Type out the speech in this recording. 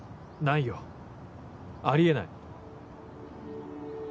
ないよあり得ない。